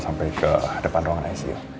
sampai ke depan ruangan ic